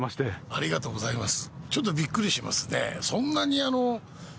ありがとうございます。